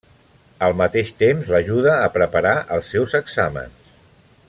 Al mateix temps l'ajuda a preparar els seus exàmens.